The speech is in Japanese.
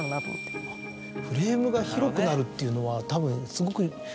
フレームが広くなるっていうのはたぶん。